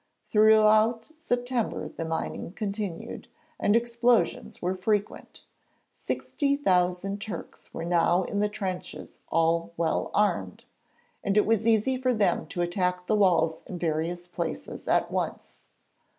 Throughout September the mining continued, and explosions were frequent. Sixty thousand Turks were now in the trenches all well armed, and it was easy for them to attack the walls in various places at once.